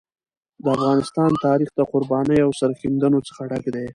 د افغانستان تاریخ د قربانیو او سرښندنو څخه ډک دی.